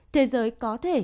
thế giới có thể